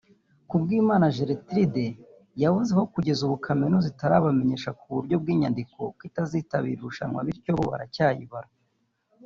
Kubwimana Gertulde yavuze ko kugeza ubu Kaminuza itarabamenyesha ku buryo bw’inyandiko ko itazitabira irushanwa bityo bo baracyayibara